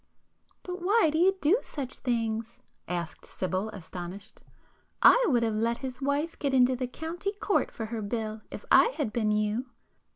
"But why do you do such things?" asked Sibyl astonished; "I would have let his wife get into the County Court for her bill, if I had been you!"